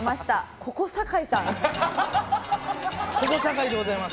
小小堺でございます。